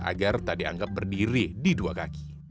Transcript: agar tak dianggap berdiri di dua kaki